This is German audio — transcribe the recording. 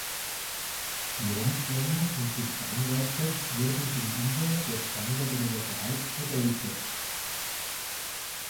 Die Rumpflänge und die Spannweite wurden gegenüber der Standard Universal vergrößert.